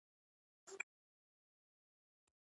لغمان ولایت د افغانستان په ختیځ کې واقع دی.